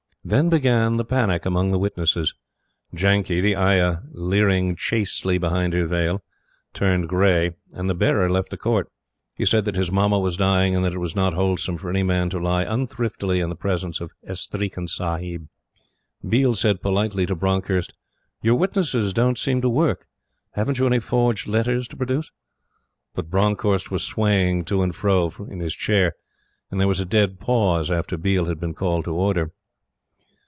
Then began the panic among the witnesses. Janki, the ayah, leering chastely behind her veil, turned gray, and the bearer left the Court. He said that his Mamma was dying and that it was not wholesome for any man to lie unthriftily in the presence of "Estreeken Sahib." Biel said politely to Bronckhorst: "Your witnesses don't seem to work. Haven't you any forged letters to produce?" But Bronckhorst was swaying to and fro in his chair, and there was a dead pause after Biel had been called to order.